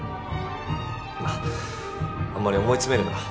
まっあんまり思い詰めるな。